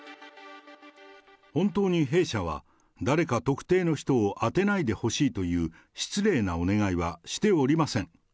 本当に弊社は誰か特定の人を当てないでほしいという失礼なお願いはしておりません。